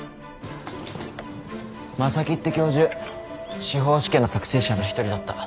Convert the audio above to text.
正木って教授司法試験の作成者の一人だった